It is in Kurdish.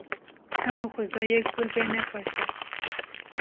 Hemû xweza yek gul be ne xweş e.